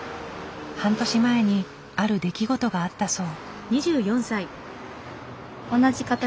半年前にある出来事があったそう。